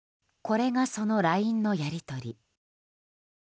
これがそのＬＩＮＥのやり取り。